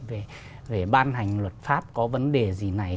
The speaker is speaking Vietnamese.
về ban hành luật pháp có vấn đề gì này